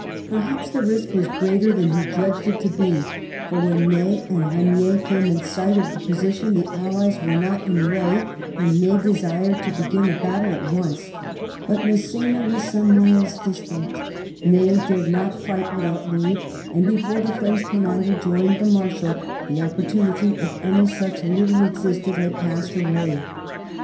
Perhaps the risk was greater than he judged it to be, for when Ney and Regnier came in sight of the position the allies were not in array, and Ney desired to begin a battle at once. But Mass^na was some miles distant^ Ney dared not fight without leave; and before the French commander joined the Marshal the opportunity, if any such really existed, had passed away.